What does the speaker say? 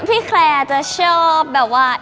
พี่แคร์จะชอบแบบว่า